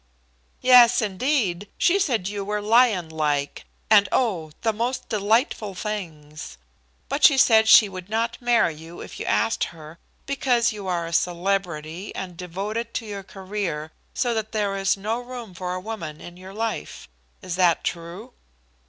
"Yes, indeed; she said you were lion like, and, oh, the most delightful things! But she said she would not marry you if you asked her, because you are a celebrity and devoted to your career, so that there is no room for a woman in your life. Is that true?"